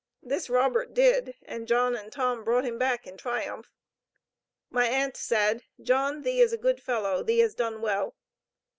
This Robert did, and John and Tom brought him back in triumph. My aunt said: "John, thee is a good fellow, thee has done well."